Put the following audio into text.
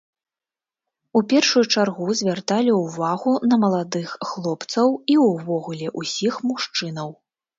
У першую чаргу звярталі ўвагу на маладых хлопцаў і ўвогуле ўсіх мужчынаў.